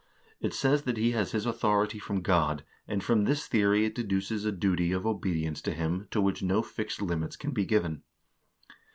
It says that he has his authority from God, and from this theory it deduces a duty of obedience to him to which no fixed limits can be given."